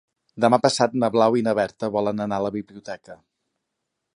Demà passat na Blau i na Berta volen anar a la biblioteca.